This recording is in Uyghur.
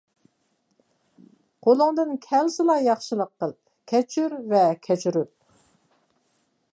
قولۇڭدىن كەلسىلا ياخشىلىق قىل. كەچۈر ھەم كەچۈرۈل.